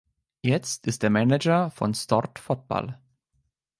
Jetzt ist er Manager von Stord Fotball.